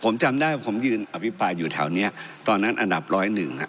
ผมจำได้ว่าผมยืนอภิปรายอยู่แถวนี้ตอนนั้นอันดับร้อยหนึ่งอ่ะ